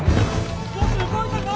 少し動いたぞ！